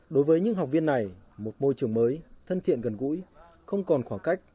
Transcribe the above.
đối với những học viên này một môi trường mới thân thiện gần gũi không còn khoảng cách